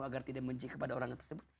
agar tidak benci kepada orang tersebut